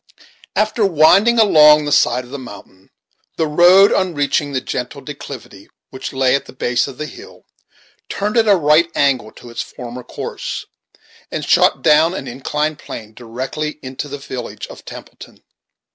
After winding along the side of the mountain, the road, on reaching the gentle declivity which lay at the base of the hill, turned at a right angle to its former course, and shot down an inclined plane, directly into the village of Templeton.